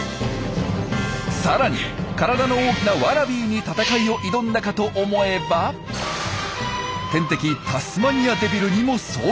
さらに体の大きなワラビーに戦いを挑んだかと思えば天敵タスマニアデビルにも遭遇。